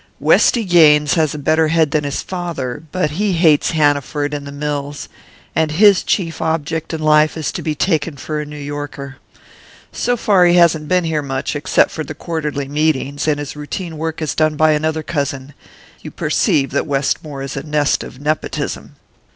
"Westy Gaines has a better head than his father; but he hates Hanaford and the mills, and his chief object in life is to be taken for a New Yorker. So far he hasn't been here much, except for the quarterly meetings, and his routine work is done by another cousin you perceive that Westmore is a nest of nepotism."